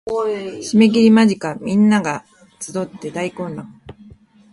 締切間近皆が集って大混乱